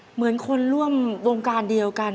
เหมือนคนร่วมวงการเดียวกัน